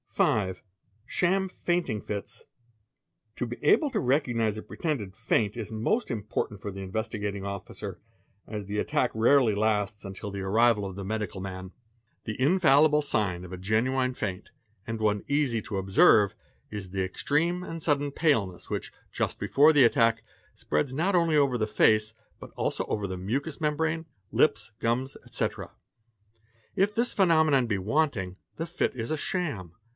(a 5. Sham Fainting Fits. To be able to recognize a pretended faint is most important for the Investigating Officer as the attack rarely lasts until the arrival of a | 41 322 PRACTICES OF CRIMINALS medical man. The infallible sign of a genuine faint and one easy to observe is the extreme and sudden paleness, which, just before the attack, spreads not only over the face but also over the mucous membrane, lips, — gums, ete. If this phenomenon be wanting the fit is a sham.